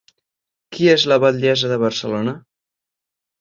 Qui és la batllessa de Barcelona?